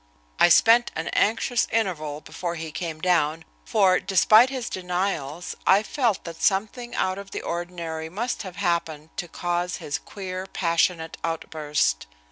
I spent an anxious interval before, he came down, for, despite his denials, I felt that something out of the ordinary must have happened to cause his queer, passionate outburst.